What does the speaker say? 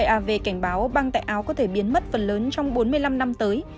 các sông băng tại áo có thể biến mất phần lớn trong bốn mươi năm năm tới